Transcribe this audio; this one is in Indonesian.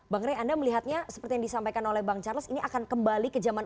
bang rey anda melihatnya seperti yang disampaikan oleh bang charles ini akan kembali ke zaman